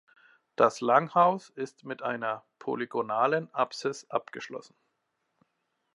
Das Langhaus ist mit einer polygonalen Apsis abgeschlossen.